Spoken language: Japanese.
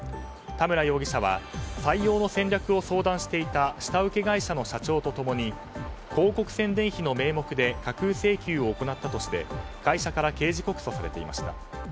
田村容疑者は採用の戦略を相談していた下請け会社の社長と共に広告宣伝費の名目で架空請求を行った疑いで会社から刑事告訴されていました。